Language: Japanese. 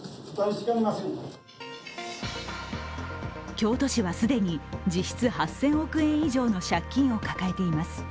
京都市は既に実質８０００億円以上の借金を抱えています。